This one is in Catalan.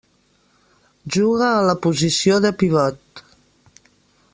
Juga en la posició de Pivot.